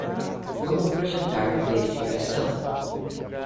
Como projetar verificação